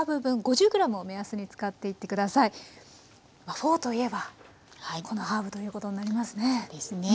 フォーといえばこのハーブということになりますね。ですね。